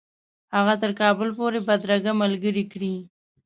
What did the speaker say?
هغه تر کابل پوري بدرګه ملګرې کړي.